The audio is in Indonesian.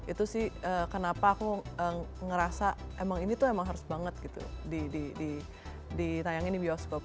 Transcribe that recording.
itu sih kenapa aku ngerasa emang ini tuh emang harus banget gitu ditayangin di bioskop